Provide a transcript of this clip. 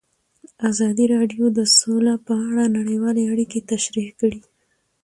ازادي راډیو د سوله په اړه نړیوالې اړیکې تشریح کړي.